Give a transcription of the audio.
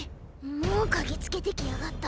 もう嗅ぎつけてきやがった。